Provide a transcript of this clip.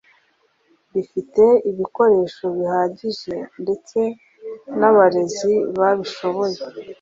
rifite ibikoresho bihagije ndetse n’abarezi babishoboye.